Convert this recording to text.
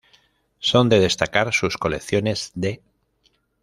Son de destacar sus colecciones de